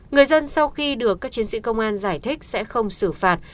người dân sau khi được các chiến sĩ công an giải thích sẽ không xử phạt